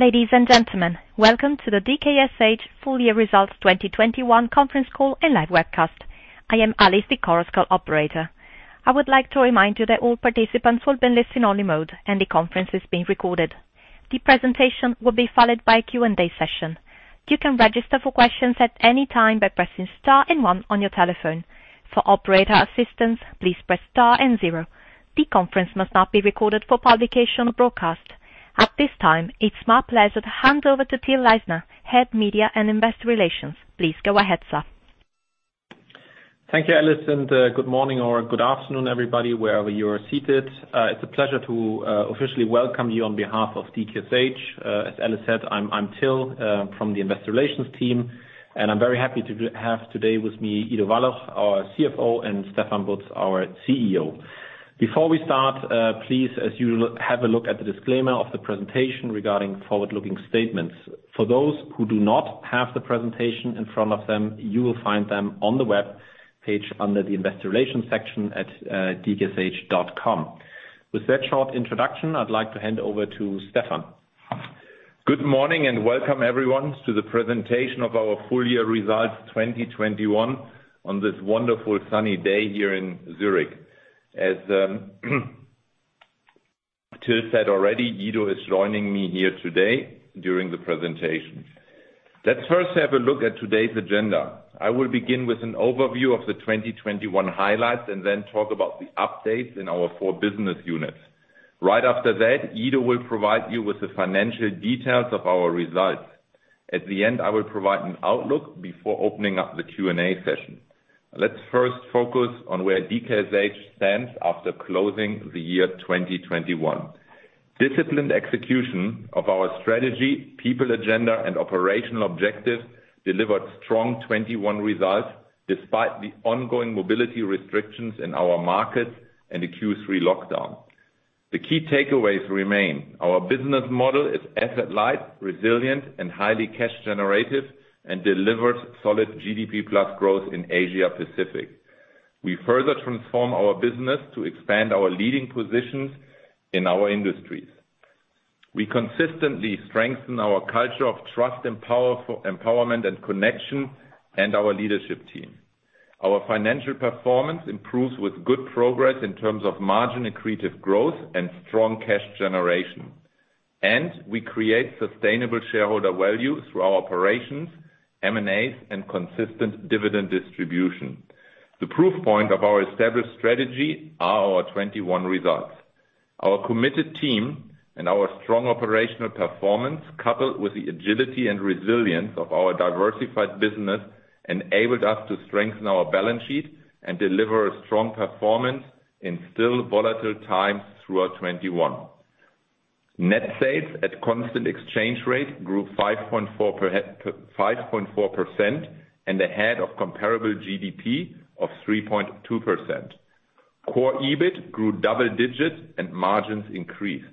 Ladies and gentlemen, welcome to the DKSH full year results 2021 conference call and live webcast. I am Alice, the conference call operator. I would like to remind you that all participants will be in listen only mode and the conference is being recorded. The presentation will be followed by a Q&A session. You can register for questions at any time by pressing star and one on your telephone. For operator assistance, please press star and zero. The conference must not be recorded for publication or broadcast. At this time, it's my pleasure to hand over to Till Leisner, Head, Media and Investor Relations. Please go ahead, sir. Thank you, Alice, and good morning or good afternoon, everybody, wherever you are seated. It's a pleasure to officially welcome you on behalf of DKSH. As Alice said, I'm Till from the investor relations team, and I'm very happy to have today with me Ido Wallach, our CFO, and Stefan Butz, our CEO. Before we start, please, as usual, have a look at the disclaimer of the presentation regarding forward-looking statements. For those who do not have the presentation in front of them, you will find them on the webpage under the investor relations section at dksh.com. With that short introduction, I'd like to hand over to Stefan. Good morning and welcome everyone to the presentation of our full-year results 2021 on this wonderful sunny day here in Zurich. As Till said already, Ido is joining me here today during the presentation. Let's first have a look at today's agenda. I will begin with an overview of the 2021 highlights and then talk about the updates in our four business units. Right after that, Ido will provide you with the financial details of our results. At the end, I will provide an outlook before opening up the Q&A session. Let's first focus on where DKSH stands after closing the year 2021. Disciplined execution of our strategy, people agenda, and operational objectives delivered strong 2021 results despite the ongoing mobility restrictions in our markets and the Q3 lockdown. The key takeaways remain. Our business model is asset light, resilient, and highly cash generative, and delivers solid GDP plus growth in Asia Pacific. We further transform our business to expand our leading positions in our industries. We consistently strengthen our culture of trust, empowerment, and connection, and our leadership team. Our financial performance improves with good progress in terms of margin-accretive growth and strong cash generation. We create sustainable shareholder value through our operations, M&As, and consistent dividend distribution. The proof point of our established strategy are our 2021 results. Our committed team and our strong operational performance, coupled with the agility and resilience of our diversified business, enabled us to strengthen our balance sheet and deliver a strong performance in still volatile times throughout 2021. Net sales at constant exchange rate grew 5.4% and ahead of comparable GDP of 3.2%. Core EBIT grew double digits and margins increased.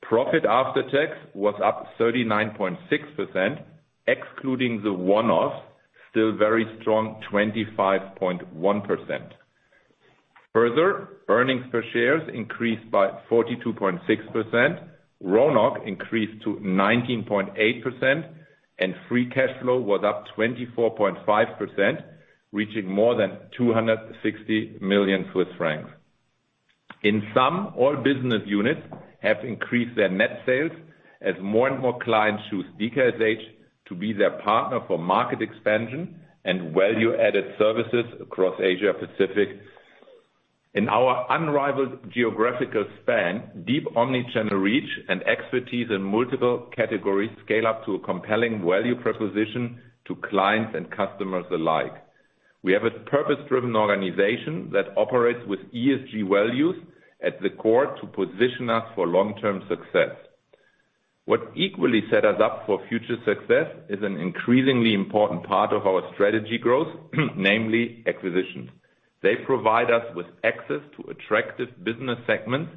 Profit after tax was up 39.6%, excluding the one-offs, still very strong, 25.1%. Further, earnings per shares increased by 42.6%. RONOC increased to 19.8%, and free cash flow was up 24.5%, reaching more than 260 million Swiss francs. In sum, all business units have increased their net sales as more and more clients choose DKSH to be their partner for market expansion and value-added services across Asia Pacific. In our unrivaled geographical span, deep omni-channel reach and expertise in multiple categories scale up to a compelling value proposition to clients and customers alike. We have a purpose-driven organization that operates with ESG values at the core to position us for long-term success. What equally sets us up for future success is an increasingly important part of our strategic growth, namely acquisitions. They provide us with access to attractive business segments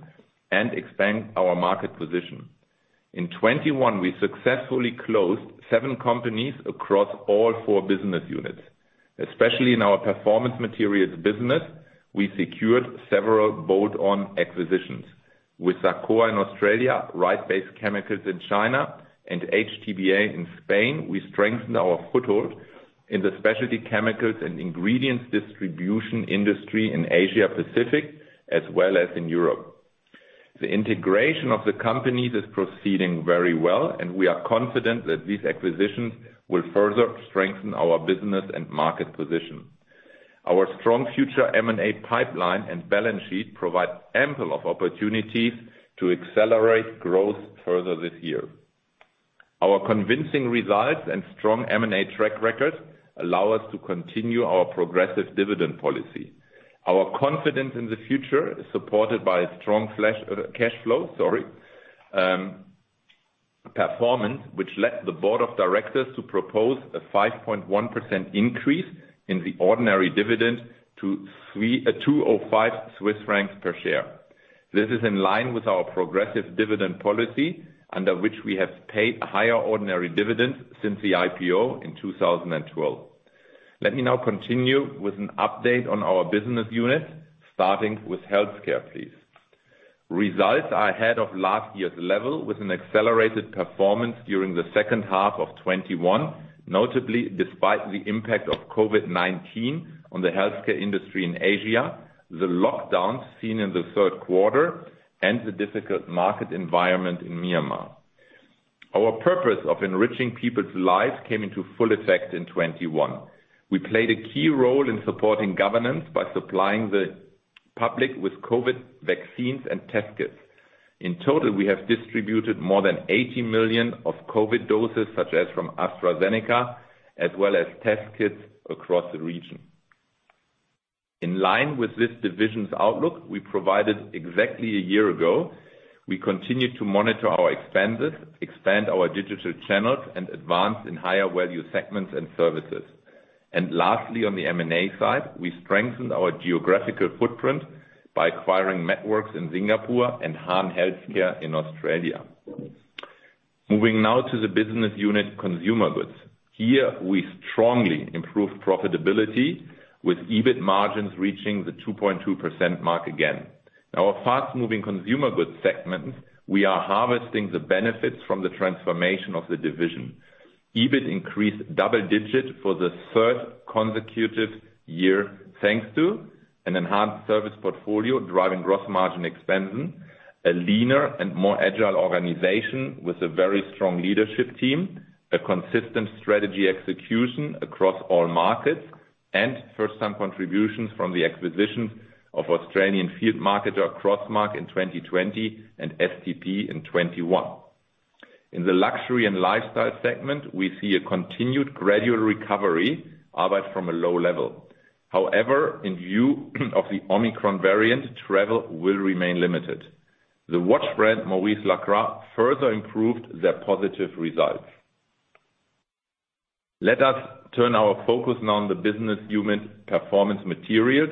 and expand our market position. In 2021, we successfully closed seven companies across all four business units, especially in our Performance Materials business, we secured several bolt-on acquisitions. With SACOA in Australia, Right Base Chemicals in China, and HTBA in Spain, we strengthened our foothold in the specialty chemicals and ingredients distribution industry in Asia Pacific as well as in Europe. The integration of the companies is proceeding very well, and we are confident that these acquisitions will further strengthen our business and market position. Our strong future M&A pipeline and balance sheet provide ample opportunities to accelerate growth further this year. Our convincing results and strong M&A track record allow us to continue our progressive dividend policy. Our confidence in the future is supported by strong cash flow performance, which led the Board of Directors to propose a 5.1% increase in the ordinary dividend to 2.05 Swiss francs per share. This is in line with our progressive dividend policy, under which we have paid a higher ordinary dividend since the IPO in 2012. Let me now continue with an update on our business unit, starting with Healthcare, please. Results are ahead of last year's level with an accelerated performance during the second half of 2021, notably despite the impact of COVID-19 on the Healthcare industry in Asia, the lockdowns seen in the third quarter and the difficult market environment in Myanmar. Our purpose of enriching people's lives came into full effect in 2021. We played a key role in supporting governments by supplying the public with COVID vaccines and test kits. In total, we have distributed more than 80 million of COVID doses, such as from AstraZeneca, as well as test kits across the region. In line with this division's outlook we provided exactly a year ago, we continued to monitor our expenses, expand our digital channels, and advance in higher value segments and services. Lastly, on the M&A side, we strengthened our geographical footprint by acquiring MedWorkz in Singapore and Hahn Healthcare in Australia. Moving now to the business unit Consumer Goods. Here we strongly improved profitability with EBIT margins reaching the 2.2% mark again. In our fast-moving Consumer Goods segment, we are harvesting the benefits from the transformation of the division. EBIT increased double-digit for the third consecutive year, thanks to an enhanced service portfolio driving gross margin expansion, a leaner and more agile organization with a very strong leadership team, a consistent strategy execution across all markets, and first-time contributions from the acquisition of Australian field marketer, Crossmark, in 2020 and STP in 2021. In the Luxury and Lifestyle segment, we see a continued gradual recovery, albeit from a low level. However, in view of the Omicron variant, travel will remain limited. The watch brand, Maurice Lacroix, further improved their positive results. Let us turn our focus now on the business unit, Performance Materials,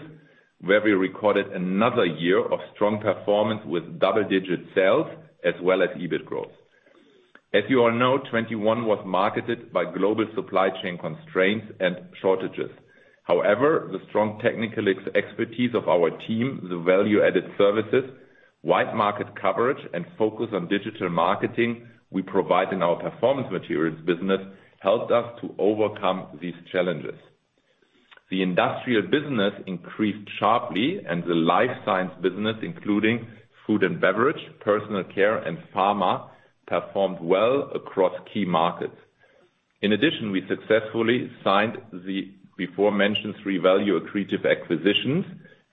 where we recorded another year of strong performance with double-digit sales as well as EBIT growth. As you all know, 2021 was marked by global supply chain constraints and shortages. However, the strong technical expertise of our team, the value-added services, wide market coverage, and focus on digital marketing we provide in our Performance Materials business helped us to overcome these challenges. The industrial business increased sharply, and the Life Science business, including food and beverage, personal care, and pharma, performed well across key markets. In addition, we successfully signed the before-mentioned three value-accretive acquisitions,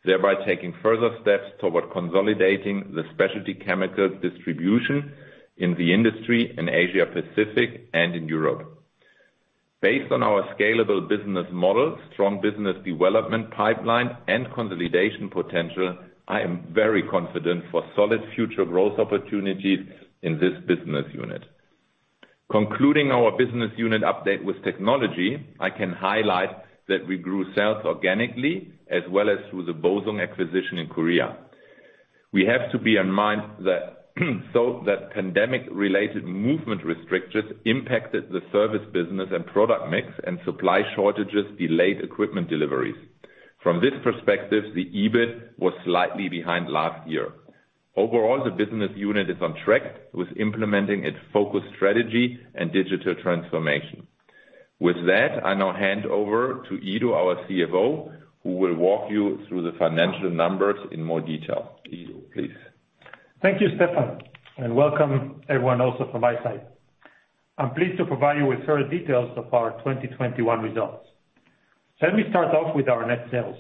thereby taking further steps toward consolidating the specialty chemical distribution in the industry in Asia Pacific and in Europe. Based on our scalable business model, strong business development pipeline, and consolidation potential, I am very confident for solid future growth opportunities in this business unit. Concluding our business unit update with Technology, I can highlight that we grew sales organically as well as through the Bosung acquisition in Korea. We have to bear in mind that the pandemic-related movement restrictions impacted the service business and product mix and supply shortages delayed equipment deliveries. From this perspective, the EBIT was slightly behind last year. Overall, the business unit is on track with implementing its focus strategy and digital transformation. With that, I now hand over to Ido, our CFO, who will walk you through the financial numbers in more detail. Ido, please. Thank you, Stefan, and welcome everyone also from my side. I'm pleased to provide you with further details of our 2021 results. Let me start off with our net sales.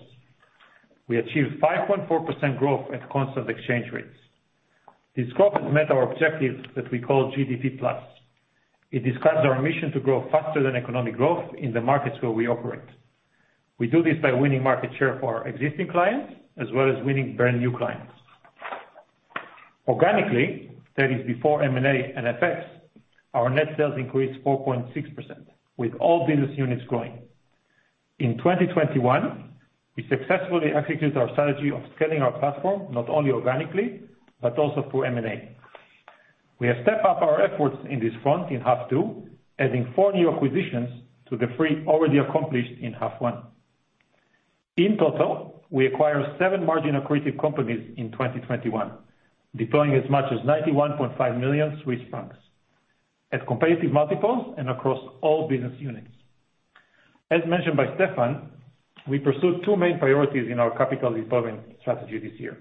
We achieved 5.4% growth at constant exchange rates. This growth has met our objective that we call GDP plus. It describes our mission to grow faster than economic growth in the markets where we operate. We do this by winning market share for our existing clients, as well as winning brand new clients. Organically, that is before M&A and FX, our net sales increased 4.6%, with all business units growing. In 2021, we successfully executed our strategy of scaling our platform, not only organically but also through M&A. We have stepped up our efforts in this front in half two, adding four new acquisitions to the three already accomplished in half one. In total, we acquired seven margin-accretive companies in 2021, deploying as much as 91.5 million Swiss francs at competitive multiples and across all business units. As mentioned by Stefan, we pursued two main priorities in our capital deployment strategy this year.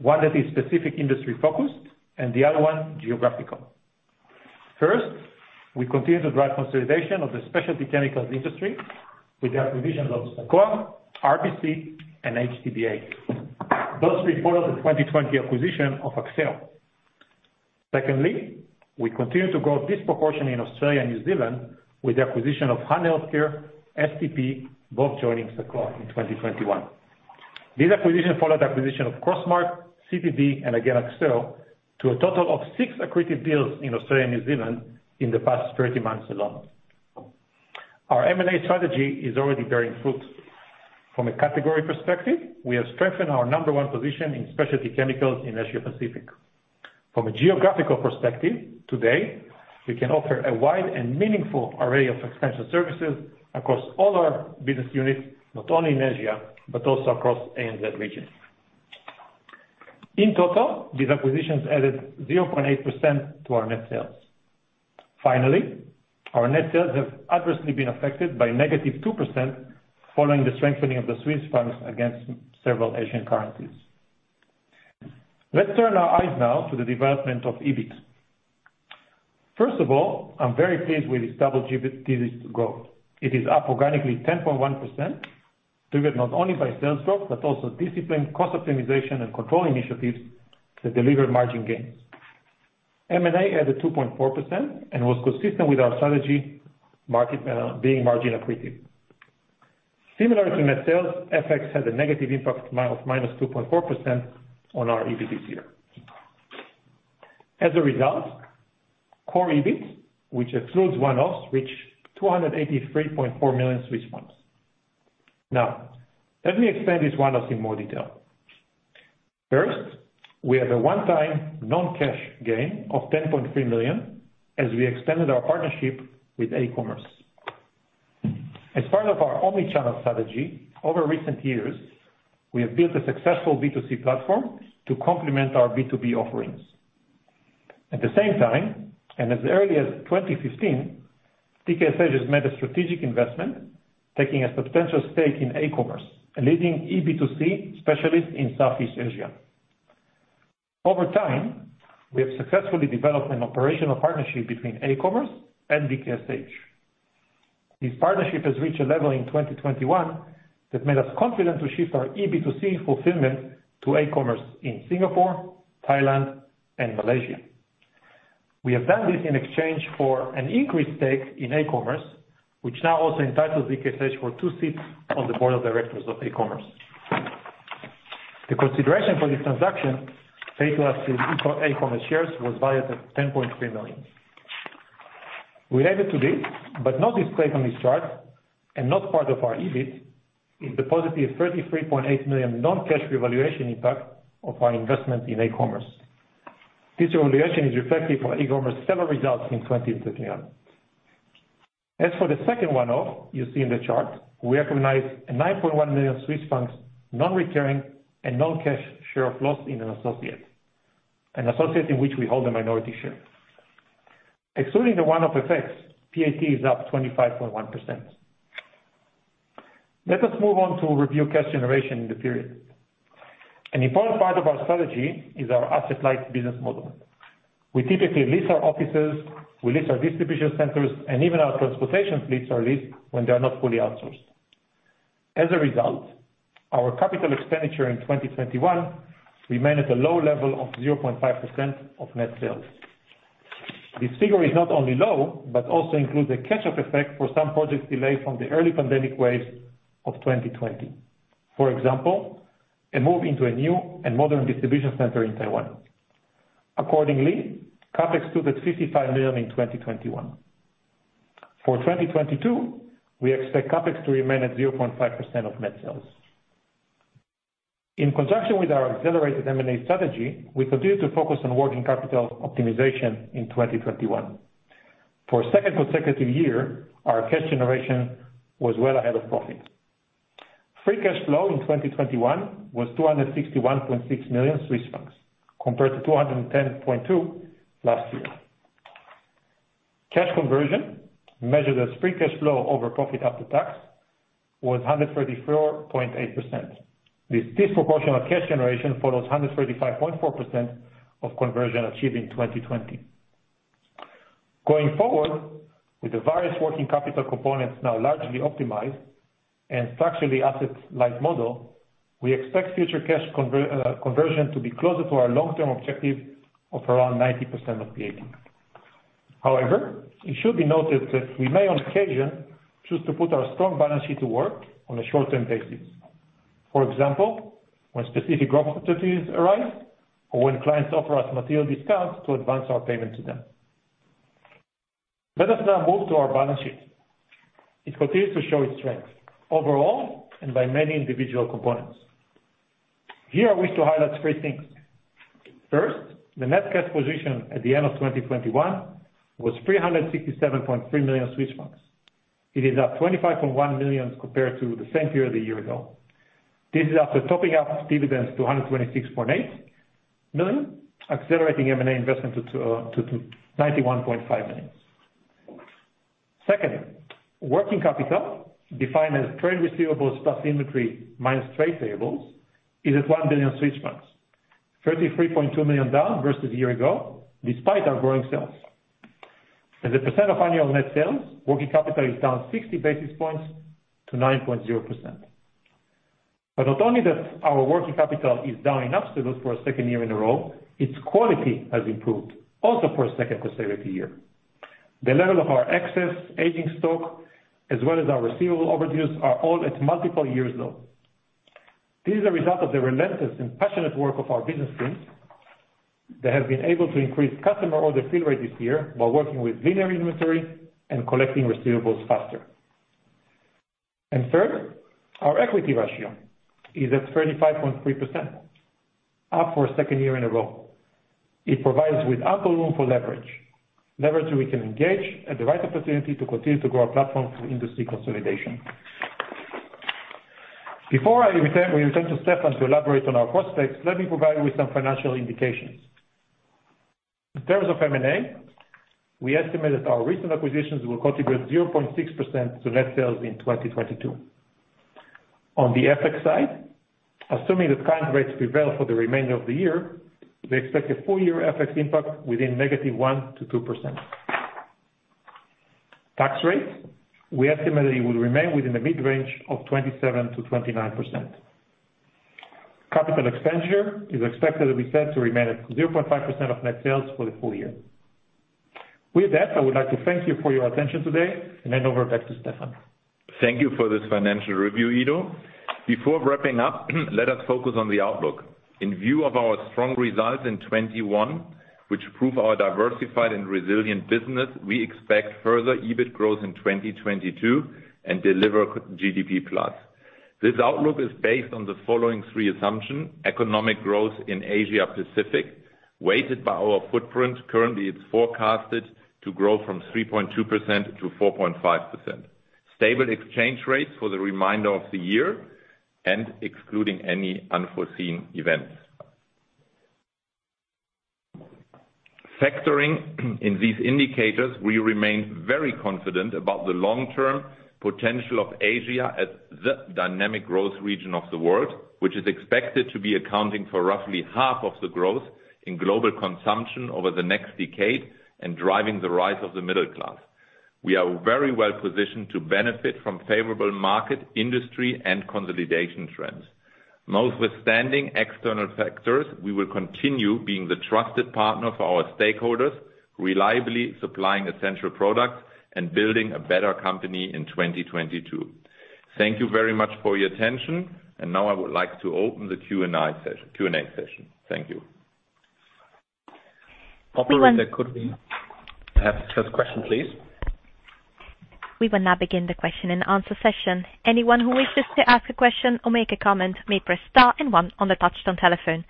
One that is specific industry-focused and the other one geographical. First, we continue to drive consolidation of the specialty chemicals industry with the acquisition of SACOA, RBC, and HTBA. Those three follow the 2020 acquisition of Axieo. Secondly, we continue to grow disproportionately in Australia and New Zealand with the acquisition of Hahn Healthcare, STP, both joining SACOA in 2021. These acquisitions follow the acquisition of Crossmark, CTD, and again, Axieo, to a total of six accretive deals in Australia and New Zealand in the past 30 months alone. Our M&A strategy is already bearing fruit. From a category perspective, we have strengthened our number one position in specialty chemicals in Asia Pacific. From a geographical perspective, today, we can offer a wide and meaningful array of extension services across all our business units, not only in Asia, but also across A and Z regions. In total, these acquisitions added 0.8% to our net sales. Finally, our net sales have adversely been affected by -2% following the strengthening of the Swiss francs against several Asian currencies. Let's turn our eyes now to the development of EBIT. First of all, I'm very pleased with established EBIT's growth. It is up organically 10.1%, triggered not only by sales growth, but also disciplined cost optimization and control initiatives that delivered margin gains. M&A added 2.4% and was consistent with our strategic markets being margin-accretive. Similarly, to net sales, FX had a negative impact of -2.4% on our EBIT this year. As a result, core EBIT, which excludes one-offs, reached 283.4 million Swiss francs. Now, let me explain these one-offs in more detail. First, we have a one-time non-cash gain of 10.3 million as we extended our partnership with aCommerce. As part of our omni-channel strategy, over recent years, we have built a successful B2C platform to complement our B2B offerings. At the same time, and as early as 2015, DKSH has made a strategic investment, taking a substantial stake in aCommerce, a leading eB2C specialist in Southeast Asia. Over time, we have successfully developed an operational partnership between aCommerce and DKSH. This partnership has reached a level in 2021 that made us confident to shift our eB2C fulfillment to aCommerce in Singapore, Thailand, and Malaysia. We have done this in exchange for an increased stake in aCommerce, which now also entitles DKSH to two seats on the Board of Directors of aCommerce. The consideration for this transaction paid to us in aCommerce shares was valued at 10.3 million. Related to this, but not displayed on this chart and not part of our EBIT, is the +33.8 million non-cash revaluation impact of our investment in aCommerce. This revaluation is reflected for aCommerce's stellar results in 2021. As for the second one-off you see in the chart, we recognize a 9.1 million Swiss francs non-recurring and non-cash share of loss in an associate in which we hold a minority share. Excluding the one-off effects, PAT is up 25.1%. Let us move on to review cash generation in the period. An important part of our strategy is our asset-light business model. We typically lease our offices, we lease our distribution centers, and even our transportation fleets are leased when they are not fully outsourced. As a result, our capital expenditure in 2021 remained at the low level of 0.5% of net sales. This figure is not only low, but also includes a catch-up effect for some projects delayed from the early pandemic waves of 2020. For example, a move into a new and modern distribution center in Taiwan. Accordingly, CapEx stood at 55 million in 2021. For 2022, we expect CapEx to remain at 0.5% of net sales. In conjunction with our accelerated M&A strategy, we continued to focus on working capital optimization in 2021. For a second consecutive year, our cash generation was well ahead of profit. Free cash flow in 2021 was 261.6 million Swiss francs compared to 210.2 million last year. Cash conversion, measured as free cash flow over profit after tax, was 134.8%. This disproportionate cash generation follows 135.4% conversion achieved in 2020. Going forward, with the various working capital components now largely optimized and structurally asset-light model, we expect future cash conversion to be closer to our long-term objective of around 90% of PAT. However, it should be noted that we may on occasion choose to put our strong balance sheet to work on a short-term basis. For example, when specific growth opportunities arise or when clients offer us material discounts to advance our payment to them. Let us now move to our balance sheet. It continues to show its strength overall and by many individual components. Here, I wish to highlight three things. First, the net cash position at the end of 2021 was 367.3 million Swiss francs. It is up 25.1 million compared to the same period a year ago. This is after topping up dividends to 126.8 million, accelerating M&A investment to 91.5 million. Second, working capital, defined as trade receivables plus inventory minus trade payables, is at 1 billion. 33.2 million down versus a year ago, despite our growing sales. As a percent of annual net sales, working capital is down 60 basis points to 9.0%. But not only that our working capital is down in absolute for a second year in a row, its quality has improved, also for a second consecutive year. The level of our excess aging stock, as well as our receivable overdues, are all at multiple years low. This is a result of the relentless and passionate work of our business teams that have been able to increase customer order fill rate this year while working with leaner inventory and collecting receivables faster. Third, our equity ratio is at 35.3%, up for a second year in a row. It provides with ample room for leverage. Leverage we can engage at the right opportunity to continue to grow our platform through industry consolidation. Before we return to Stefan to elaborate on our prospects, let me provide you with some financial indications. In terms of M&A, we estimate our recent acquisitions will contribute 0.6% to net sales in 2022. On the FX side, assuming that current rates prevail for the remainder of the year, we expect a full-year FX impact within -1% to -2%. Tax rates, we estimate it will remain within the mid-range of 27%-29%. Capital expenditure is expected to remain at 0.5% of net sales for the full year. With that, I would like to thank you for your attention today and hand over back to Stefan. Thank you for this financial review, Ido. Before wrapping up, let us focus on the outlook. In view of our strong results in 2021, which prove our diversified and resilient business, we expect further EBIT growth in 2022 and deliver GDP plus. This outlook is based on the following three assumptions: economic growth in Asia Pacific, weighted by our footprint. Currently, it's forecasted to grow from 3.2% to 4.5%. Stable exchange rates for the remainder of the year and excluding any unforeseen events. Factoring in these indicators, we remain very confident about the long-term potential of Asia as the dynamic growth region of the world, which is expected to account for roughly half of the growth in global consumption over the next decade and driving the rise of the middle class. We are very well-positioned to benefit from favorable market, industry, and consolidation trends. Notwithstanding external factors, we will continue being the trusted partner for our stakeholders, reliably supplying essential products and building a better company in 2022. Thank you very much for your attention. Now I would like to open the Q&A session. Thank you. Operator, could we have the first question, please? We will now begin the question and answer session. Anyone who wishes to ask a question or make a comment may press star and one on the touchtone telephone.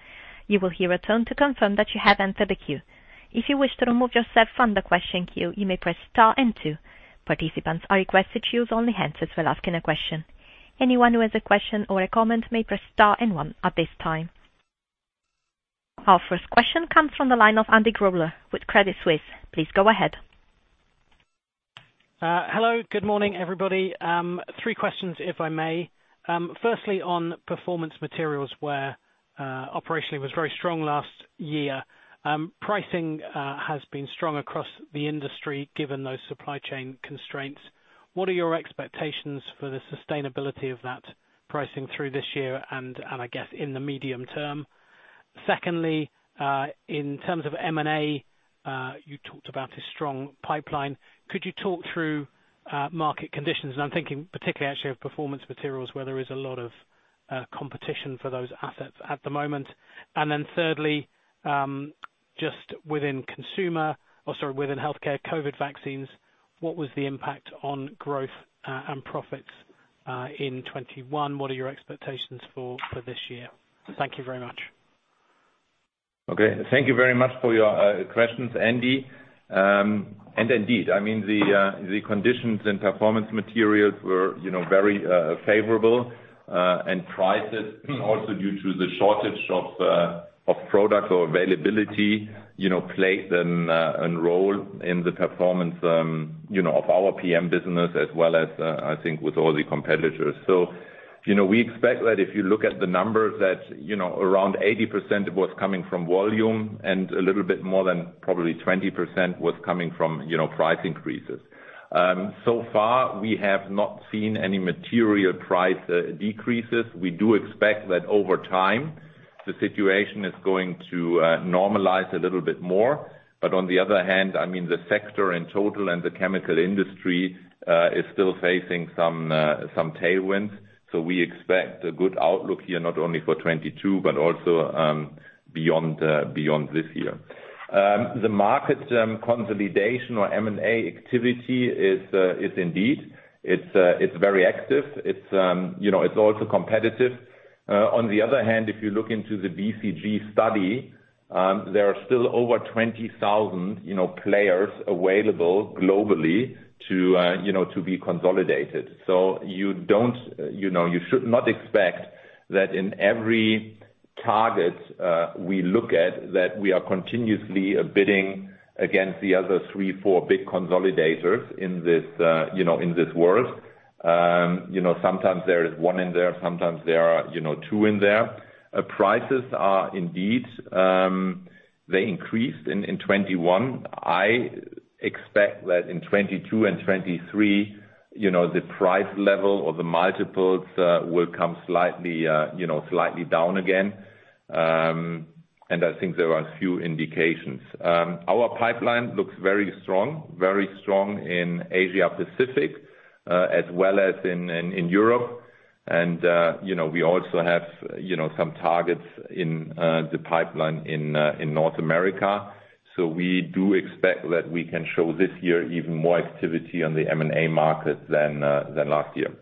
You will hear a tone to confirm that you have entered the queue. If you wish to remove yourself from the question queue, you may press star and two. Participants are requested to use only one line for asking a question. Anyone who has a question or a comment may press star and one at this time. Our first question comes from the line of Andy Grobler with Credit Suisse. Please go ahead. Hello. Good morning, everybody. Three questions, if I may. Firstly, on Performance Materials, where operationally was very strong last year. Pricing has been strong across the industry, given those supply chain constraints. What are your expectations for the sustainability of that pricing through this year and I guess in the medium term? Secondly, in terms of M&A, you talked about a strong pipeline. Could you talk through market conditions? I'm thinking particularly actually of Performance Materials, where there is a lot of competition for those assets at the moment. Then thirdly, just within consumer or sorry, within Healthcare COVID vaccines, what was the impact on growth and profits in 2021? What are your expectations for this year? Thank you very much. Okay. Thank you very much for your questions, Andy. Indeed, I mean, the conditions and Performance Materials were, you know, very favorable, and prices also due to the shortage of product or availability, you know, played a role in the performance, you know, of our PM business as well as I think with all the competitors. You know, we expect that if you look at the numbers that, you know, around 80% of what's coming from volume and a little bit more than probably 20% was coming from, you know, price increases. So far, we have not seen any material price decreases. We do expect that over time, the situation is going to normalize a little bit more. On the other hand, I mean, the sector in total and the chemical industry is still facing some tailwind. We expect a good outlook here, not only for 2022, but also beyond this year. The market consolidation or M&A activity is indeed. It's very active. It's you know, it's also competitive. On the other hand, if you look into the BCG study, there are still over 20,000 you know, players available globally to you know, to be consolidated. You don't, you know, you should not expect that in every target we look at that we are continuously bidding against the other three to four big consolidators in this you know, in this world. You know, sometimes there is one in there, sometimes there are, you know, two in there. Prices are indeed. They increased in 2021. I expect that in 2022 and 2023, you know, the price level or the multiples will come slightly, you know, down again. I think there are a few indications. Our pipeline looks very strong in Asia Pacific, as well as in Europe. You know, we also have, you know, some targets in the pipeline in North America. We do expect that we can show this year even more activity on the M&A market than last year.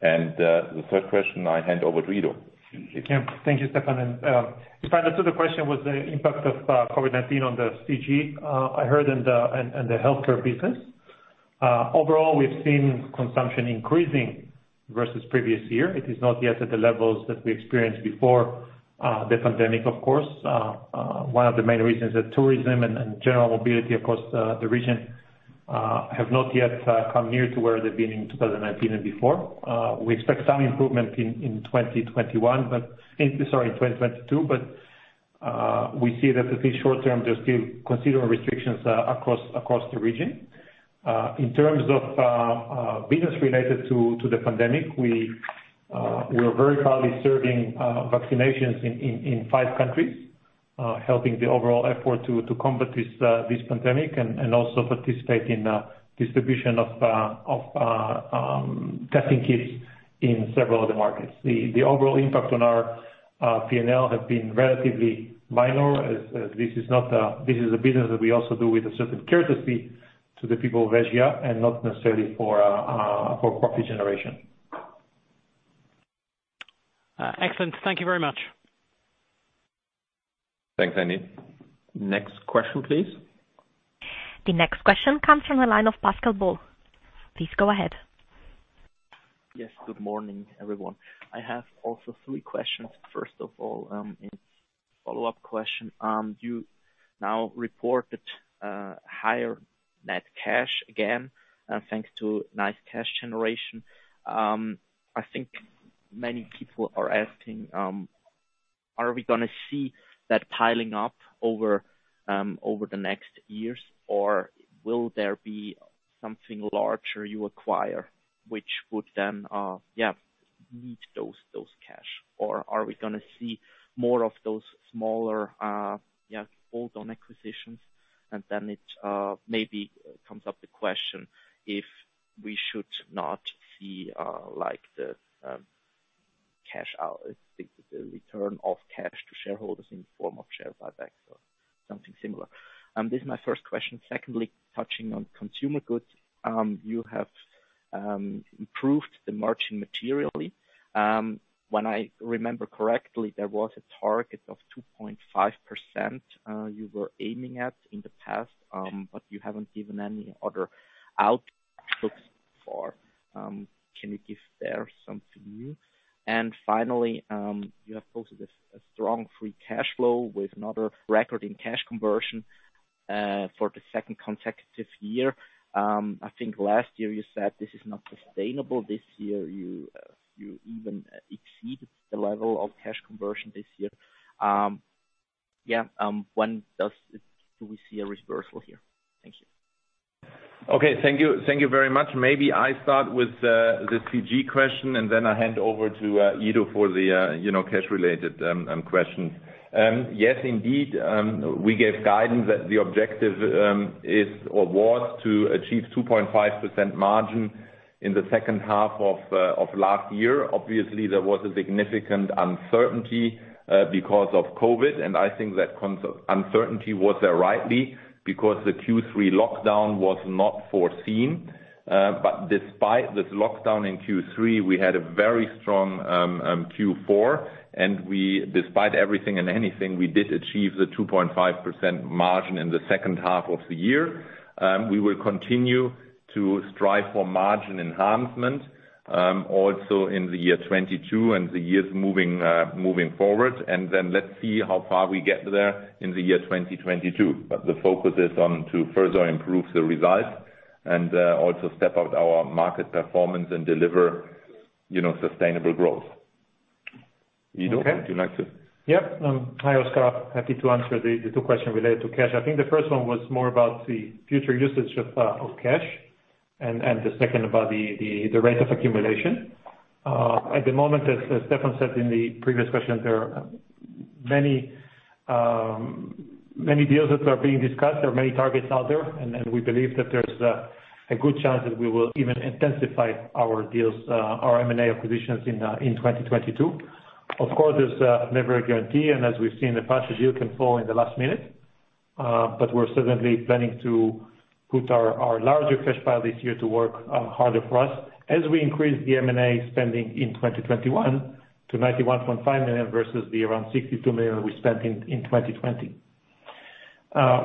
The third question I hand over to Ido. Thank you, Stefan. To answer the question, the impact of COVID-19 on the CG in the Healthcare business. Overall, we've seen consumption increasing versus previous year. It is not yet at the levels that we experienced before the pandemic, of course. One of the main reasons that tourism and general mobility across the region have not yet come near to where they've been in 2019 and before. We expect some improvement in 2021, but sorry, in 2022, but we see that at least short-term, there's still considerable restrictions across the region. In terms of business related to the pandemic, we are very proudly serving vaccinations in five countries, helping the overall effort to combat this pandemic and also participate in distribution of testing kits in several other markets. The overall impact on our P&L have been relatively minor as this is a business that we also do with a certain courtesy to the people of Asia and not necessarily for profit generation. Excellent. Thank you very much. Thanks, Andy. Next question, please. The next question comes from the line of Pascal Boll. Please go ahead. Yes, good morning, everyone. I have also three questions. First of all, in follow-up question, you now reported higher net cash again, thanks to nice cash generation. I think many people are asking, are we gonna see that piling up over the next years? Or will there be something larger you acquire, which would then meet those cash? Or are we gonna see more of those smaller add-on acquisitions? And then it maybe comes up the question if we should not see, like the cash out, the return of cash to shareholders in form of share buyback or something similar. This is my first question. Secondly, touching on Consumer Goods, you have improved the margin materially. If I remember correctly, there was a target of 2.5% you were aiming at in the past, but you haven't given any other outlook for. Can you give that some too? Finally, you have posted a strong free cash flow with another record in cash conversion for the second consecutive year. I think last year you said this is not sustainable. This year you even exceeded the level of cash conversion this year. Do we see a reversal here? Thank you. Okay, thank you. Thank you very much. Maybe I start with the CG question, and then I hand over to Ido for the you know, cash related question. Yes, indeed. We gave guidance that the objective is, or was to achieve 2.5% margin in the second half of last year. Obviously, there was a significant uncertainty because of COVID, and I think that uncertainty was there rightly because the Q3 lockdown was not foreseen. Despite this lockdown in Q3, we had a very strong Q4, and we, despite everything and anything, we did achieve the 2.5% margin in the second half of the year. We will continue to strive for margin enhancement also in the year 2022 and the years moving forward. Let's see how far we get there in the year 2022. The focus is on to further improve the results and also step up our market performance and deliver, you know, sustainable growth. Ido, would you like to? Okay. Yep, hi, Pascal. Happy to answer the two questions related to cash. I think the first one was more about the future usage of cash and the second about the rate of accumulation. At the moment, as Stefan said in the previous question, there are many deals that are being discussed, there are many targets out there, and we believe that there's a good chance that we will even intensify our deals, our M&A acquisitions in 2022. Of course, there's never a guarantee, and as we've seen in the past, a deal can fall in the last minute. We're certainly planning to put our larger cash pile this year to work harder for us as we increase the M&A spending in 2021 to 91.5 million versus around 62 million we spent in 2020.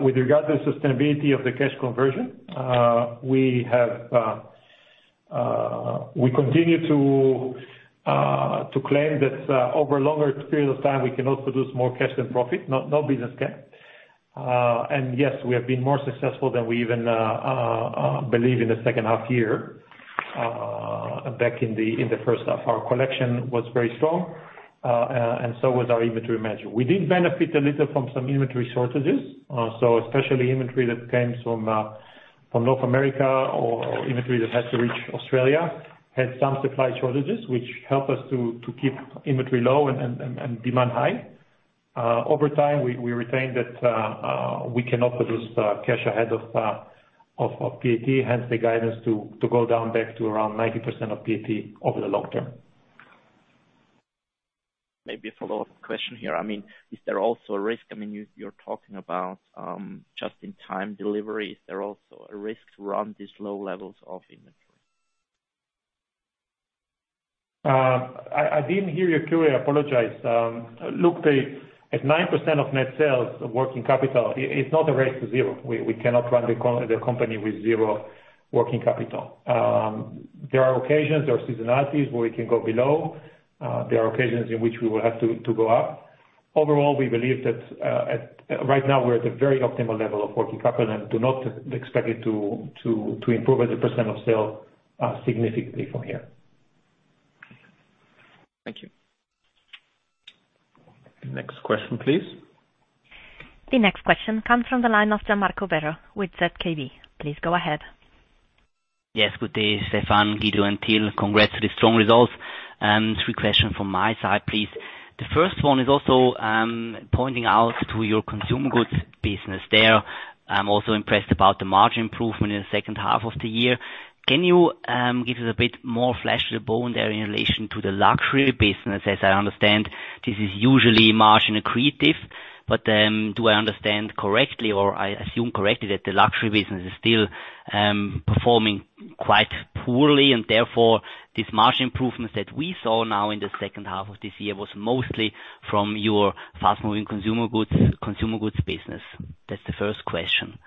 With regard to the sustainability of the cash conversion, we continue to claim that over a longer period of time, we cannot produce more cash than profit, no business can. Yes, we have been more successful than we even believe in the second half year back in the first half. Our collection was very strong, and so was our inventory management. We did benefit a little from some inventory shortages. Especially inventory that came from North America or inventory that had to reach Australia had some supply shortages, which helped us to keep inventory low and demand high. Over time, we retain that we cannot produce cash ahead of PAT, hence the guidance to go down back to around 90% of PAT over the long term. Maybe a follow-up question here. I mean, is there also a risk? I mean, you're talking about, just-in-time delivery. Is there also a risk to run these low levels of inventory? I didn't hear you clearly. I apologize. Look, at 9% of net sales working capital, it's not a race to zero. We cannot run the company with zero working capital. There are occasions, there are seasonalities where we can go below. There are occasions in which we will have to go up. Overall, we believe that right now we're at the very optimal level of working capital and do not expect it to improve as a % of sale significantly from here. Thank you. Next question, please. The next question comes from the line of Gian Marco Werro with ZKB. Please go ahead. Yes. Good day, Stefan P. Butz, Ido Wallach, and Till Leisner. Congrats to the strong results. Three questions from my side, please. The first one is also pointing out to your Consumer Goods business there. I'm also impressed about the margin improvement in the second half of the year. Can you give us a bit more flesh to the bone there in relation to the luxury business? As I understand, this is usually margin accretive. But do I understand correctly or I assume correctly that the luxury business is still performing quite poorly, and therefore, this margin improvements that we saw now in the second half of this year was mostly from your fast moving Consumer Goods, Consumer Goods business? That's the first question.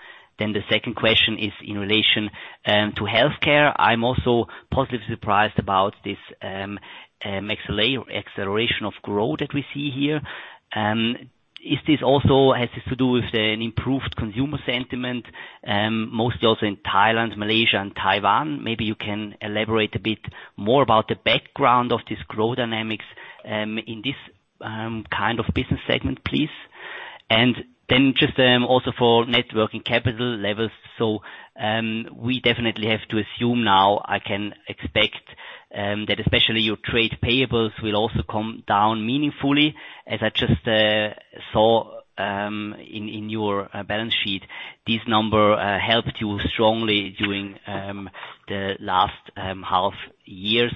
The second question is in relation to Healthcare. I'm also positively surprised about this, acceleration of growth that we see here. Does this also have to do with an improved consumer sentiment, mostly also in Thailand, Malaysia and Taiwan? Maybe you can elaborate a bit more about the background of this growth dynamics in this kind of business segment, please. Then just also for net working capital levels. We definitely have to assume now, I can expect, that especially your trade payables will also come down meaningfully. As I just saw in your balance sheet, this number helped you strongly during the last half year.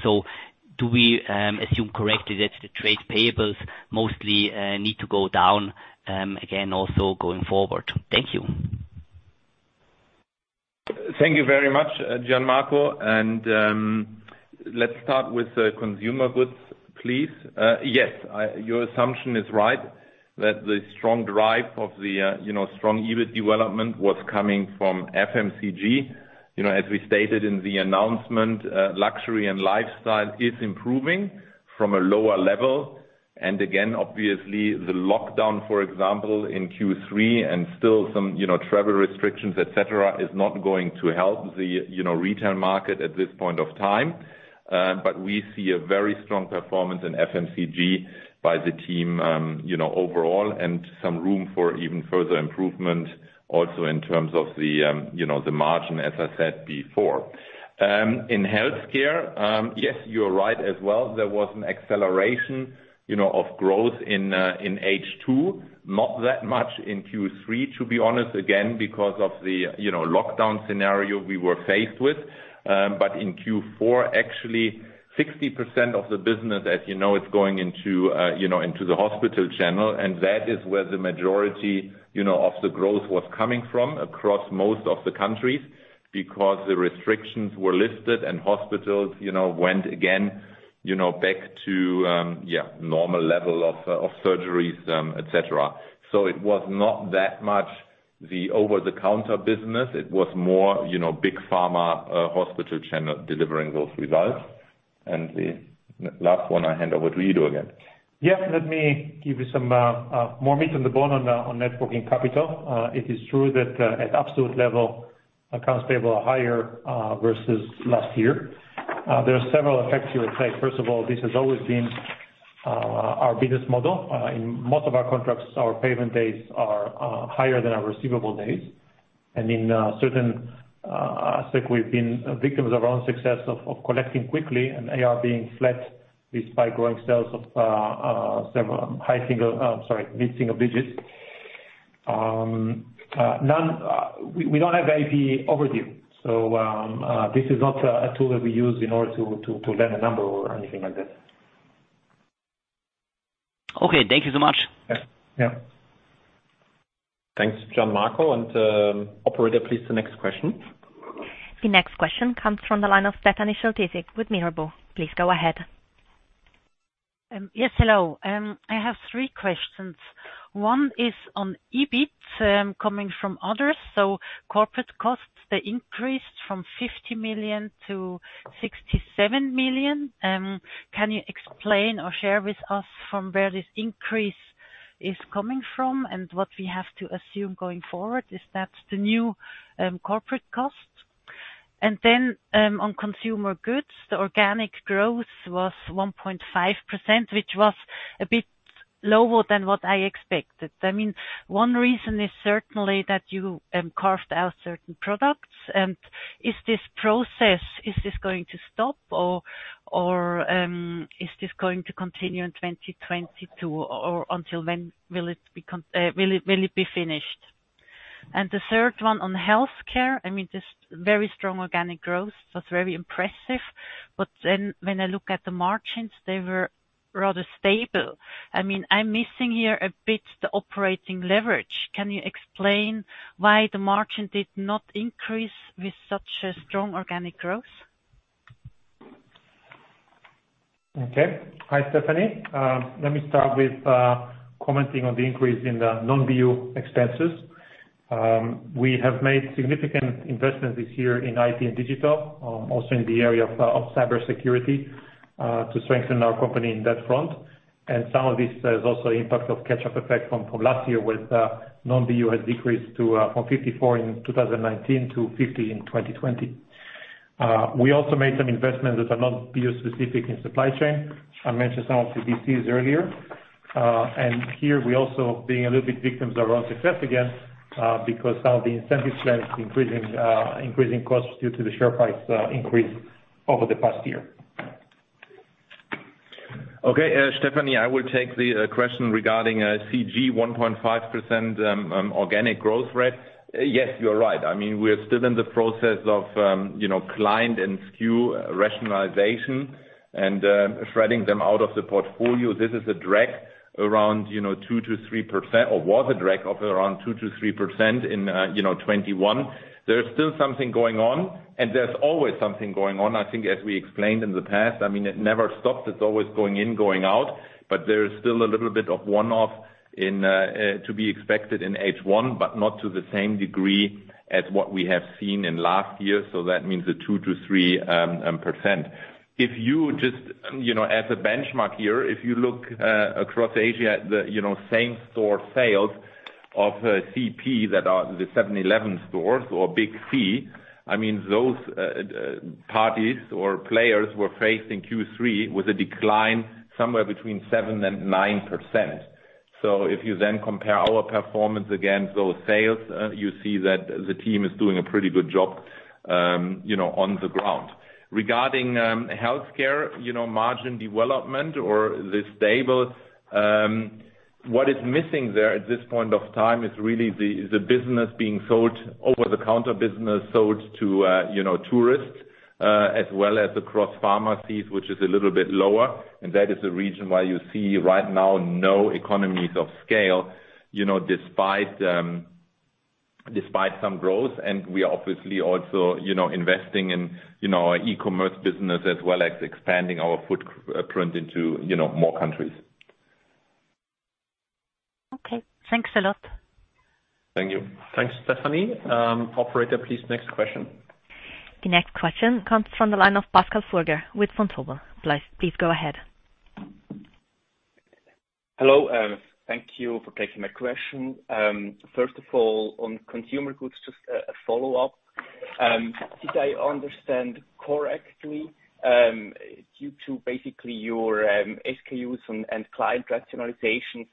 Do we assume correctly that the trade payables mostly need to go down again, also going forward? Thank you. Thank you very much, Gian Marco. Let's start with the Consumer Goods, please. Yes, your assumption is right that the strong drive of the, you know, strong EBIT development was coming from FMCG. You know, as we stated in the announcement, luxury and lifestyle is improving from a lower level. Again, obviously the lockdown, for example, in Q3 and still some, you know, travel restrictions, et cetera, is not going to help the, you know, retail market at this point of time. But we see a very strong performance in FMCG by the team, you know, overall and some room for even further improvement also in terms of the, you know, the margin, as I said before. In Healthcare, yes, you're right as well. There was an acceleration, you know, of growth in in H2. Not that much in Q3, to be honest, again, because of the, you know, lockdown scenario we were faced with. In Q4, actually 60% of the business, as you know, is going into, you know, into the hospital channel, and that is where the majority, you know, of the growth was coming from across most of the countries because the restrictions were lifted and hospitals, you know, went again, you know, back to normal level of surgeries, et cetera. It was not that much the over-the-counter business. It was more, you know, big pharma, hospital channel delivering those results. The last one, I hand over to you again. Yes. Let me give you some more meat on the bone on net working capital. It is true that at absolute level, accounts payable are higher versus last year. There are several effects here at play. First of all, this has always been our business model. In most of our contracts, our payment dates are higher than our receivable dates. In certain, I think we've been victims of our own success of collecting quickly and AR being flat despite growing sales of several mid-single digits. None, we don't have AP overdue, so this is not a tool that we use in order to lend a number or anything like that. Okay. Thank you so much. Yeah. Thanks, Gian Marco. Operator, please, the next question. The next question comes from the line of Stefanie Scholtysik with Mirabaud. Please go ahead. Yes, hello. I have three questions. One is on EBIT, coming from others. Corporate costs, they increased from 50 million to 67 million. Can you explain or share with us from where this increase is coming from and what we have to assume going forward is that the new corporate cost? On Consumer Goods, the organic growth was 1.5%, which was a bit lower than what I expected. I mean, one reason is certainly that you carved out certain products. Is this process going to stop or is this going to continue in 2022 or until when will it be finished? The third one on Healthcare, I mean, just very strong organic growth. That's very impressive. when I look at the margins, they were rather stable. I mean, I'm missing here a bit the operating leverage. Can you explain why the margin did not increase with such a strong organic growth? Hi, Stefanie. Let me start with commenting on the increase in the non-BU expenses. We have made significant investments this year in IT and digital, also in the area of cybersecurity, to strengthen our company in that front. Some of this is also impact of catch-up effect from last year with non-BU has decreased from 54 million in 2019 to 50 million in 2020. We also made some investments that are non-BU specific in supply chain. I mentioned some of the DCs earlier. Here we also being a little bit victims of our own success again, because of the incentive plan increasing costs due to the share price increase over the past year. Okay, Stefanie, I will take the question regarding CG 1.5% organic growth rate. Yes, you're right. I mean, we're still in the process of, you know, client and SKU rationalization and weeding them out of the portfolio. This is a drag around, you know, 2%-3% or was a drag of around 2%-3% in, you know, 2021. There is still something going on, and there's always something going on. I think as we explained in the past, I mean, it never stops. It's always going in, going out. But there is still a little bit of one-off to be expected in H1, but not to the same degree as what we have seen in last year. So that means a 2%-3%. If you just, you know, as a benchmark here, if you look across Asia, the, you know, same store sales of CP that are the 7-Eleven stores or Big C, I mean, those parties or players were faced in Q3 with a decline somewhere between 7%-9%. If you then compare our performance against those sales, you see that the team is doing a pretty good job, you know, on the ground. Regarding Healthcare, you know, margin development or the stable, what is missing there at this point of time is really the business being sold, over-the-counter business sold to, you know, tourists, as well as across pharmacies, which is a little bit lower. That is the reason why you see right now no economies of scale, you know, despite some growth. We are obviously also, you know, investing in, you know, our e-commerce business as well as expanding our footprint into, you know, more countries. Okay. Thanks a lot. Thank you. Thanks, Stefanie. Operator, please next question. The next question comes from the line of Pascal Furger with Vontobel. Please go ahead. Hello, thank you for taking my question. First of all, on Consumer Goods, just a follow-up. Did I understand correctly, due to basically your SKUs and client rationalization,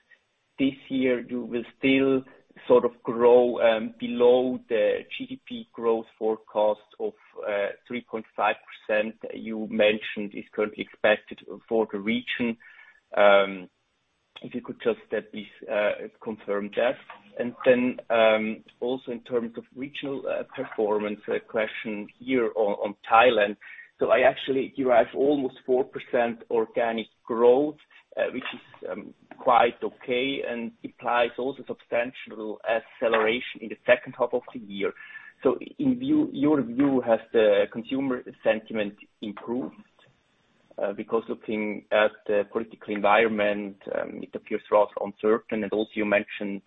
this year you will still sort of grow below the GDP growth forecast of 3.5% you mentioned is currently expected for the region. If you could just at least confirm that. Also in terms of regional performance, question here on Thailand. I actually derive almost 4% organic growth, which is quite okay and implies also substantial acceleration in the second half of the year. In your view, has the consumer sentiment improved? Because looking at the political environment, it appears rather uncertain. You also mentioned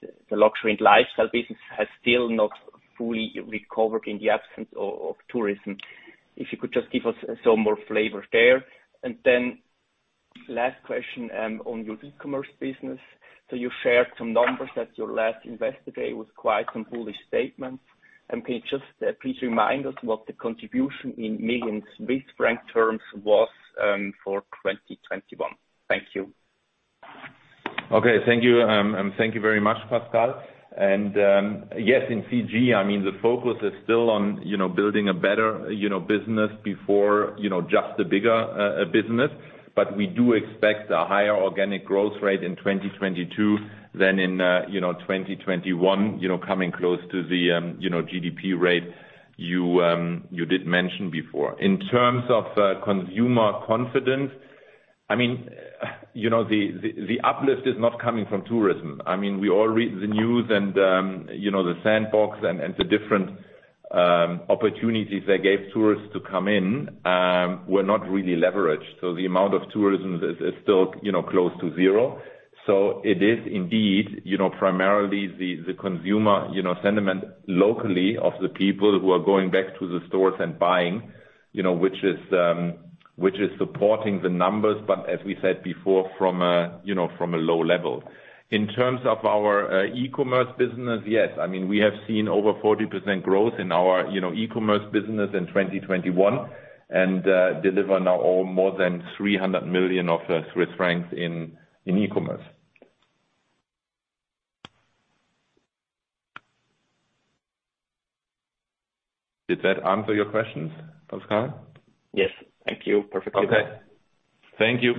the luxury and lifestyle business has still not fully recovered in the absence of tourism. If you could just give us some more flavor there. Then last question, on your e-commerce business. So you shared some numbers at your last investor day with quite some bullish statements. Can you just please remind us what the contribution in millions CHF terms was for 2021? Thank you. Okay. Thank you. Thank you very much, Pascal. Yes, in CG, I mean, the focus is still on, you know, building a better, you know, business before, you know, just a bigger business. We do expect a higher organic growth rate in 2022 than in, you know, 2021, you know, coming close to the, you know, GDP rate you did mention before. In terms of consumer confidence, I mean, you know, the uplift is not coming from tourism. I mean, we all read the news and, you know, the sandbox and the different opportunities they gave tourists to come in were not really leveraged. The amount of tourism is still, you know, close to zero. It is indeed, you know, primarily the consumer, you know, sentiment locally of the people who are going back to the stores and buying, you know, which is supporting the numbers, but as we said before, you know, from a low level. In terms of our e-commerce business, yes. I mean, we have seen over 40% growth in our, you know, e-commerce business in 2021 and we now deliver more than 300 million in e-commerce. Did that answer your questions, Pascal? Yes. Thank you. Perfectly. Okay. Thank you.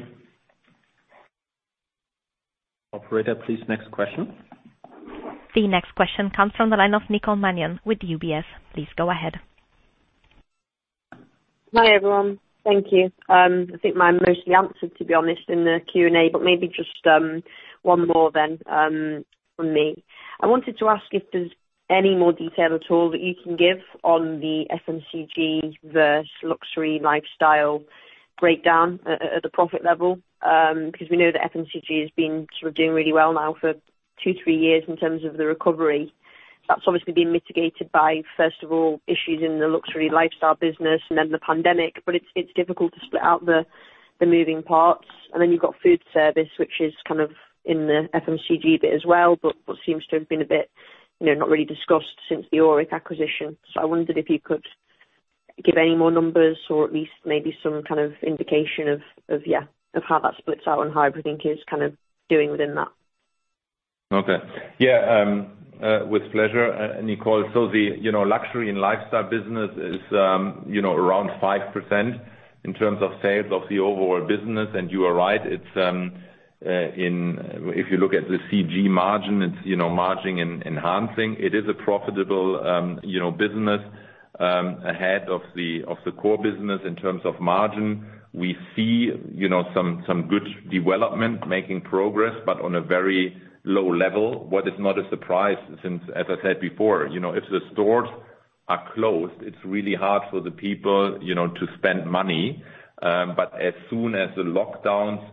Operator, please next question. The next question comes from the line of Nicole Manion with UBS. Please go ahead. Hi, everyone. Thank you. I think mine mostly answered, to be honest in the Q&A, but maybe just one more then from me. I wanted to ask if there's any more detail at all that you can give on the FMCG versus luxury lifestyle breakdown at the profit level. Because we know that FMCG has been sort of doing really well now for two to three years in terms of the recovery. That's obviously been mitigated by, first of all, issues in the luxury lifestyle business and then the pandemic, but it's difficult to split out the moving parts. Then you've got food service, which is kind of in the FMCG bit as well, but what seems to have been a bit, you know, not really discussed since the Auric acquisition. I wondered if you could give any more numbers or at least maybe some kind of indication of, yeah, of how that splits out and how everything is kind of doing within that. Okay. Yeah. With pleasure, Nicole. The luxury and lifestyle business is, you know, around 5% in terms of sales of the overall business. You are right, it's if you look at the gross margin, it's, you know, margin-enhancing. It is a profitable, you know, business ahead of the core business in terms of margin. We see, you know, some good development making progress, but on a very low level. What is not a surprise since, as I said before, you know, if the stores are closed, it's really hard for the people, you know, to spend money. As soon as the lockdowns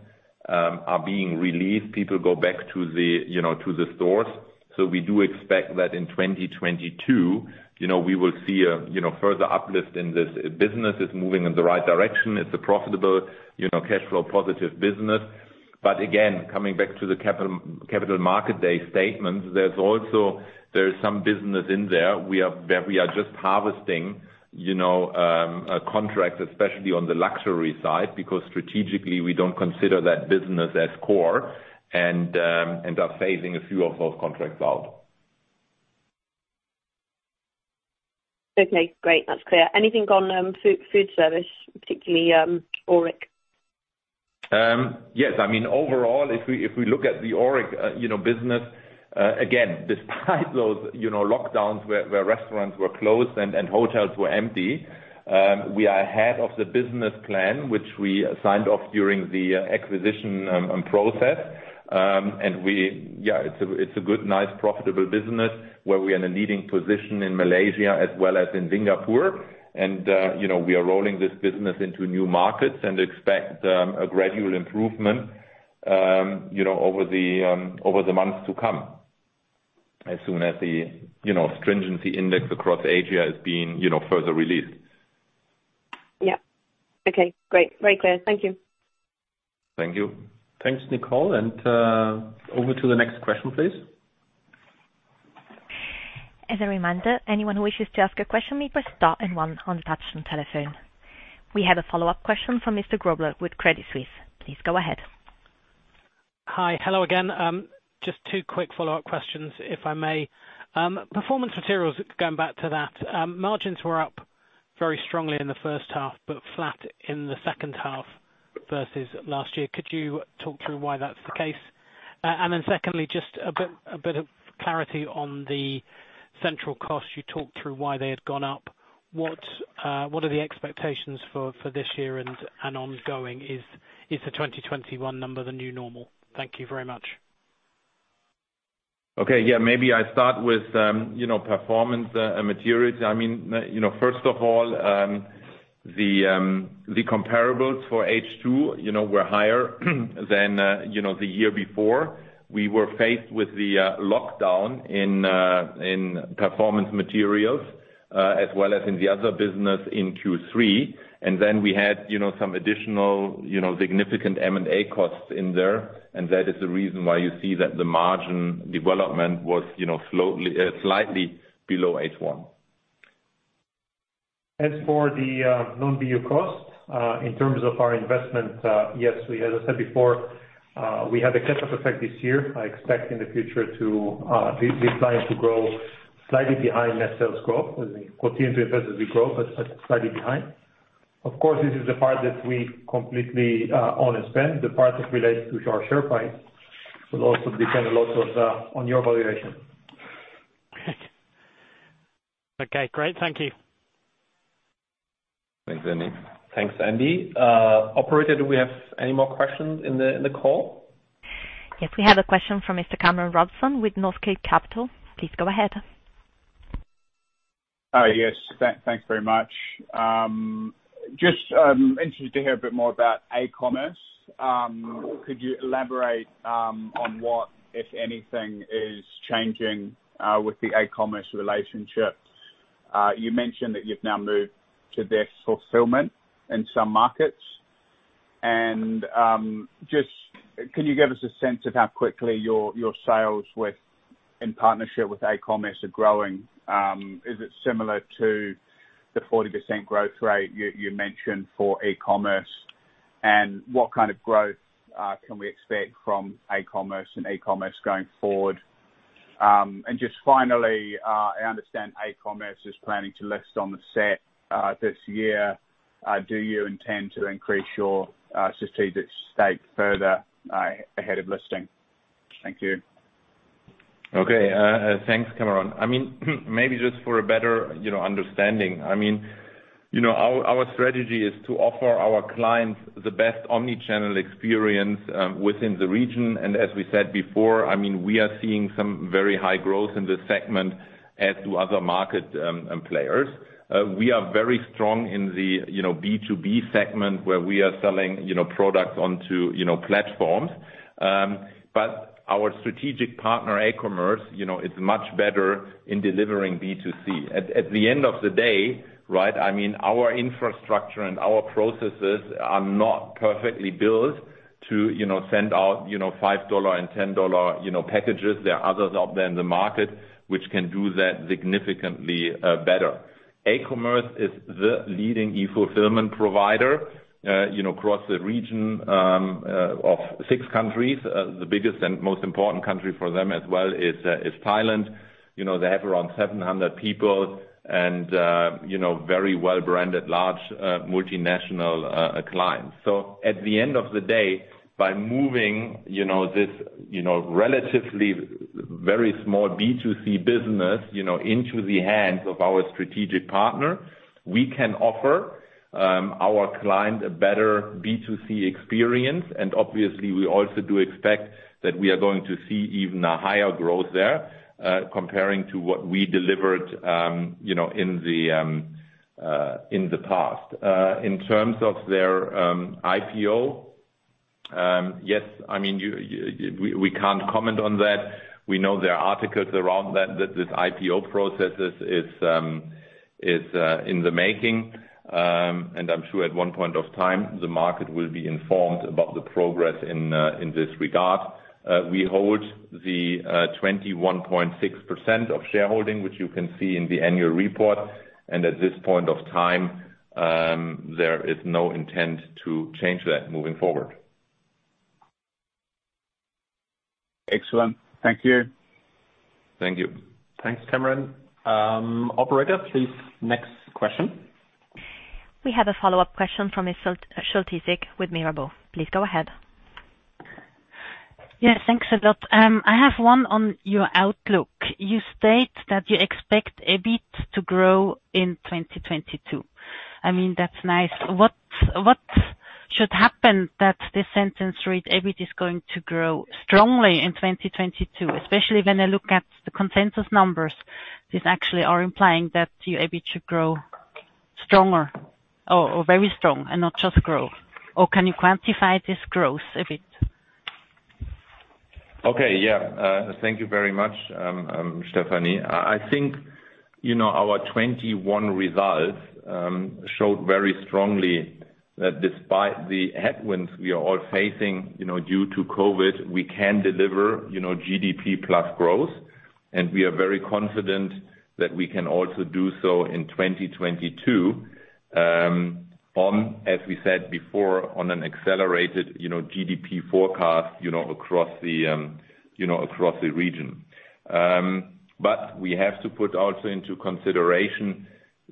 are being released, people go back to the, you know, to the stores. We do expect that in 2022, you know, we will see a, you know, further uplift in this. Business is moving in the right direction. It's a profitable, you know, cash-flow positive business. Again, coming back to the capital market day statement, there's also some business in there that we are just harvesting, you know, a contract, especially on the luxury side, because strategically we don't consider that business as core and are phasing a few of those contracts out. Okay, great. That's clear. Anything on food service, particularly Auric? Yes. I mean, overall, if we look at the Auric Pacific, you know, business, again, despite those, you know, lockdowns where restaurants were closed and hotels were empty, we are ahead of the business plan, which we signed off during the acquisition process. Yeah, it's a good, nice, profitable business where we are in a leading position in Malaysia as well as in Singapore. We are rolling this business into new markets and expect a gradual improvement, you know, over the months to come as soon as the stringency index across Asia is being further released. Yeah. Okay. Great. Very clear. Thank you. Thank you. Thanks, Nicole. Over to the next question, please. As a reminder, anyone who wishes to ask a question may press star and one on touch tone telephone. We have a follow-up question from Mr. Grobler with Credit Suisse. Please go ahead. Hi. Hello again. Just two quick follow-up questions, if I may. Performance materials, going back to that. Margins were up very strongly in the first half, but flat in the second half versus last year. Could you talk through why that's the case? And then secondly, just a bit of clarity on the central costs. You talked through why they had gone up. What are the expectations for this year and ongoing? Is the 2021 number the new normal? Thank you very much. Okay. Yeah. Maybe I start with, you know, Performance Materials. I mean, you know, first of all, the comparables for H2, you know, were higher than, you know, the year before. We were faced with the lockdown in Performance Materials, as well as in the other business in Q3. Then we had, you know, some additional, you know, significant M&A costs in there. That is the reason why you see that the margin development was, you know, slowly, slightly below H1. As for the non-BU costs in terms of our investment, yes, we as I said before, we had a catch-up effect this year. I expect in the future the clients to grow slightly behind net sales growth. We continue to invest as we grow, but slightly behind. Of course, this is the part that we completely own and spend. The part that relates to our share price will also depend a lot on your valuation. Okay, great. Thank you. Thanks, Andy. Thanks, Andy. Operator, do we have any more questions in the call? Yes, we have a question from Mr. Cameron Robson with Northcape Capital. Please go ahead. Yes, thanks very much. Just interested to hear a bit more about aCommerce. Could you elaborate on what, if anything, is changing with the aCommerce relationship? You mentioned that you've now moved to their fulfillment in some markets. Just can you give us a sense of how quickly your sales in partnership with aCommerce are growing? Is it similar to the 40% growth rate you mentioned for e-commerce? What kind of growth can we expect from aCommerce and e-commerce going forward? I understand aCommerce is planning to list on the SET this year. Do you intend to increase your strategic stake further ahead of listing? Thank you. Okay. Thanks, Cameron. I mean maybe just for a better, you know, understanding. I mean, you know, our strategy is to offer our clients the best omni-channel experience within the region. As we said before, I mean, we are seeing some very high growth in this segment as to other market players. We are very strong in the, you know, B2B segment where we are selling, you know, products onto, you know, platforms. But our strategic partner, aCommerce, you know, is much better in delivering B2C. At the end of the day, right? I mean, our infrastructure and our processes are not perfectly built to, you know, send out, you know, $5 and $10, you know, packages. There are others out there in the market which can do that significantly better. aCommerce is the leading e-fulfillment provider, you know, across the region, of six countries. The biggest and most important country for them as well is Thailand. You know, they have around 700 people and, you know, very well branded, large, multinational, clients. At the end of the day, by moving, you know, this, you know, relatively very small B2C business, you know, into the hands of our strategic partner, we can offer, our client a better B2C experience. Obviously, we also do expect that we are going to see even a higher growth there, comparing to what we delivered, you know, in the past. In terms of their IPO. Yes. I mean, we can't comment on that. We know there are articles around that this IPO process is in the making. I'm sure at one point of time the market will be informed about the progress in this regard. We hold the 21.6% of shareholding, which you can see in the annual report. At this point of time there is no intent to change that moving forward. Excellent. Thank you. Thank you. Thanks, Cameron. Operator, please. Next question. We have a follow-up question from Miss Stefanie Scholtysik with Mirabaud. Please go ahead. Yes, thanks a lot. I have one on your outlook. You state that you expect EBIT to grow in 2022. I mean, that's nice. What should happen that this sentence read, "EBIT is going to grow strongly in 2022," especially when I look at the consensus numbers. These actually are implying that your EBIT should grow stronger or very strong and not just grow. Or can you quantify this growth a bit? Okay. Yeah. Thank you very much, Stefanie. I think, you know, our 2021 results showed very strongly that despite the headwinds we are all facing, you know, due to COVID, we can deliver, you know, GDP plus growth. We are very confident that we can also do so in 2022, on, as we said before, on an accelerated, you know, GDP forecast, you know, across the, you know, across the region. We have to put also into consideration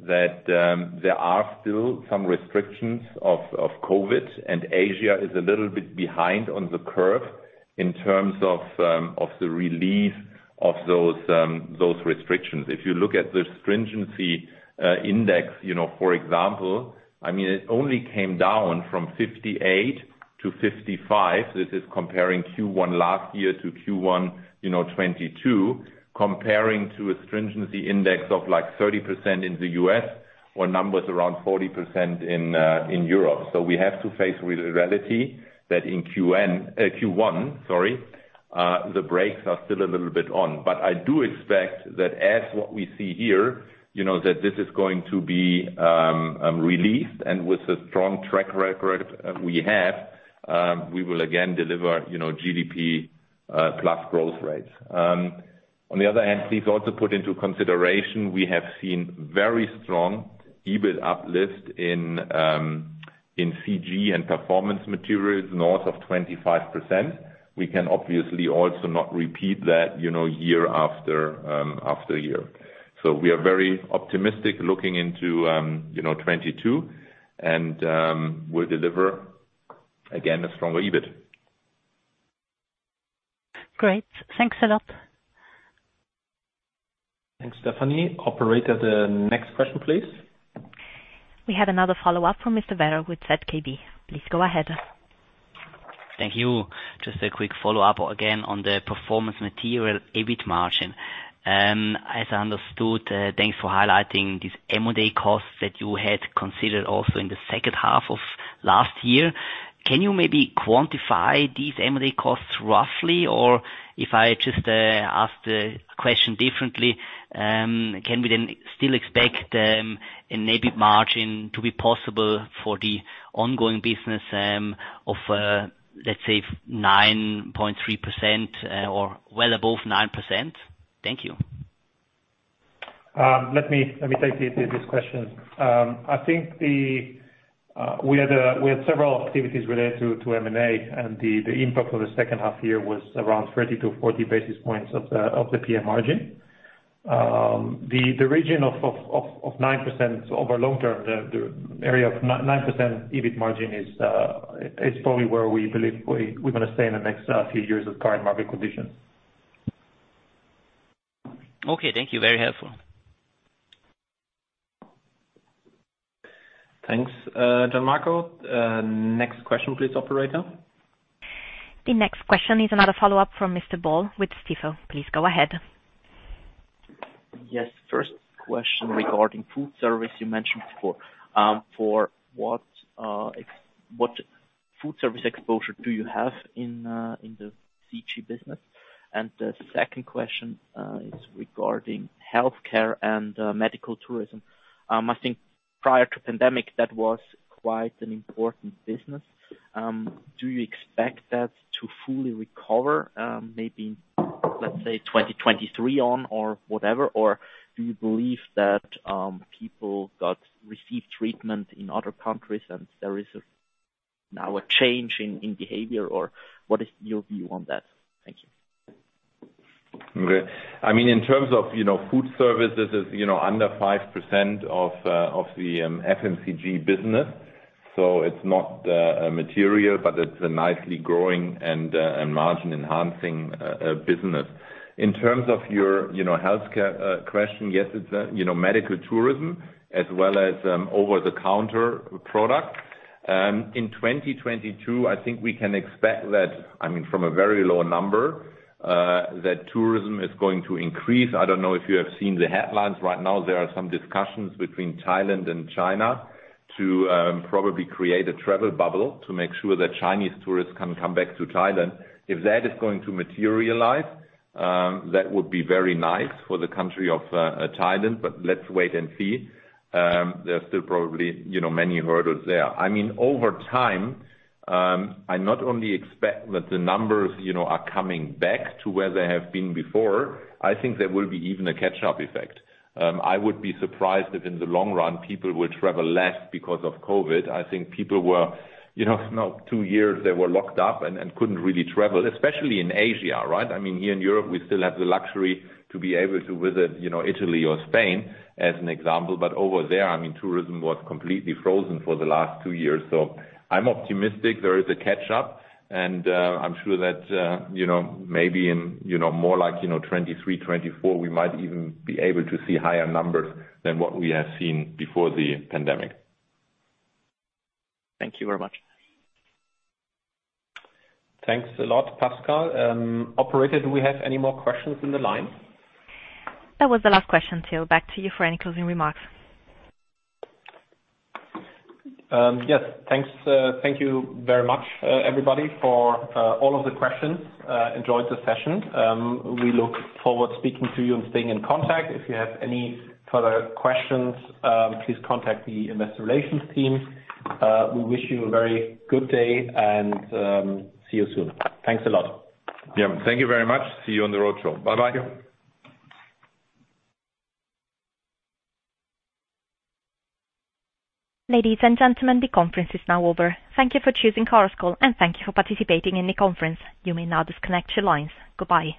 that there are still some restrictions of COVID, and Asia is a little bit behind on the curve in terms of the relief of those restrictions. If you look at the stringency index, you know, for example, I mean, it only came down from 58 to 55. This is comparing Q1 last year to Q1 2022, you know, comparing to a stringency index of like 30% in the U.S. or numbers around 40% in Europe. We have to face reality that in Q1 the brakes are still a little bit on. I do expect that as what we see here, you know, that this is going to be released. With the strong track record we have, we will again deliver, you know, GDP plus growth rates. On the other hand, please also put into consideration we have seen very strong EBIT uplift in CG and Performance Materials north of 25%. We can obviously also not repeat that, you know, year after year. We are very optimistic looking into 2022, you know, and we'll deliver again a stronger EBIT. Great. Thanks a lot. Thanks, Stefanie. Operator, next question, please. We have another follow-up from Mr. Werro with ZKB. Please go ahead. Thank you. Just a quick follow-up again on the performance material, EBIT margin. As I understood, thanks for highlighting these M&A costs that you had considered also in the second half of last year. Can you maybe quantify these M&A costs roughly? Or if I just ask the question differently, can we then still expect an EBIT margin to be possible for the ongoing business of let's say 9.3% or well above 9%? Thank you. Let me take this question. I think we had several activities related to M&A and the impact for the second half year was around 30-40 basis points of the PM margin. The region of 9% over the long term, the area of 9% EBIT margin is probably where we believe we're gonna stay in the next few years of current market conditions. Okay, thank you. Very helpful. Thanks, Gian Marco. Next question please, operator. The next question is another follow-up from Mr. Boll with Stifel. Please go ahead. Yes. First question regarding food service you mentioned before. For what food service exposure do you have in the CG business? And the second question is regarding Healthcare and medical tourism. I think prior to pandemic, that was quite an important business. Do you expect that to fully recover, maybe let's say 2023 on or whatever? Or do you believe that people have received treatment in other countries and there is now a change in behavior, or what is your view on that? Thank you. I mean, in terms of, you know, food service, this is, you know, under 5% of the FMCG business, so it's not material, but it's a nicely growing and margin-enhancing business. In terms of your, you know, Healthcare question, yes, it's, you know, medical tourism as well as over-the-counter product. In 2022, I think we can expect that, I mean, from a very low number, that tourism is going to increase. I don't know if you have seen the headlines right now there are some discussions between Thailand and China to probably create a travel bubble to make sure that Chinese tourists can come back to Thailand. If that is going to materialize, that would be very nice for the country of Thailand. Let's wait and see. There are still probably, you know, many hurdles there. I mean, over time, I not only expect that the numbers, you know, are coming back to where they have been before, I think there will be even a catch-up effect. I would be surprised if in the long run people will travel less because of COVID. I think people were, you know, now two years they were locked up and couldn't really travel, especially in Asia, right? I mean, here in Europe, we still have the luxury to be able to visit, you know, Italy or Spain as an example. Over there, I mean, tourism was completely frozen for the last two years. I'm optimistic there is a catch up and, I'm sure that, you know, maybe in, you know, more like, you know, 2023, 2024, we might even be able to see higher numbers than what we have seen before the pandemic. Thank you very much. Thanks a lot, Pascal. Operator, do we have any more questions in the line? That was the last question, Till. Back to you for any closing remarks. Yes, thanks. Thank you very much, everybody, for all of the questions. Enjoyed the session. We look forward to speaking to you and staying in contact. If you have any further questions, please contact the investor relations team. We wish you a very good day and see you soon. Thanks a lot. Yeah. Thank you very much. See you on the road show. Bye-bye. Thank you. Ladies and gentlemen, the conference is now over. Thank you for choosing Chorus Call, and thank you for participating in the conference. You may now disconnect your lines. Goodbye.